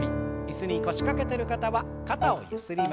椅子に腰掛けてる方は肩をゆすります。